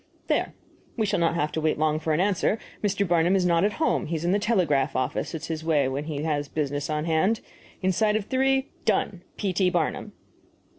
"There. We shall not have to wait long for an answer. Mr. Barnum is not at home; he is in the telegraph office it is his way when he has business on hand. Inside of three " Done. P. T. BARNUM.